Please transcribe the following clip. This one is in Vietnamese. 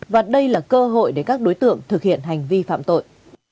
và đây là cơ hội để các đối tượng thực hiện hành vi phạm tội